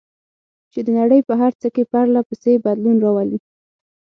چې د نړۍ په هر څه کې پرله پسې بدلون راولي.